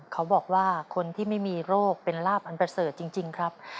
เขาบอกว่าคนที่ไม่มีโรคเป็นลาบอันประเสริฐจริงครับ